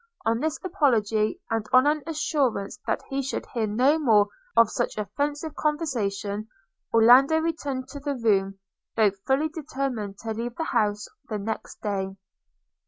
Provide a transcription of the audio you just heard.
On this apology, and on an assurance that he should hear no more of such offensive conversation, Orlando returned to the room, though fully determined to leave the house the next day.